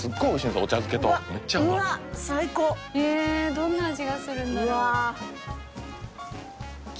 どんな味がするんだろう？